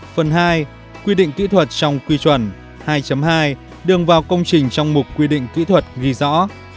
phần hai quy định kỹ thuật trong quy chuẩn hai hai đường vào công trình trong mục quy định kỹ thuật ghi rõ